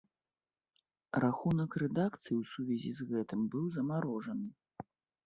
Рахунак рэдакцыі ў сувязі з гэтым быў замарожаны.